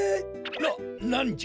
ななんじゃ？